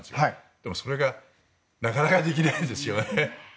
でも、それがなかなかできないんですよね。